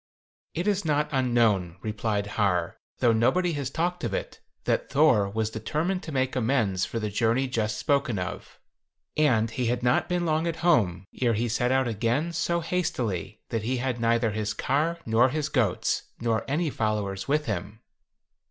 "It is not unknown," replied Har, "though nobody has talked of it, that Thor was determined to make amends for the journey just spoken of, and he had not been long at home ere he set out again so hastily that he had neither his car nor his goats, nor any followers with him.